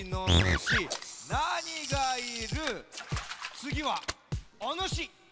つぎはおぬし。